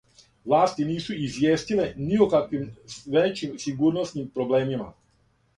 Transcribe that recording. Власти нису извијестиле ни о каквим већим сигурносним проблемима.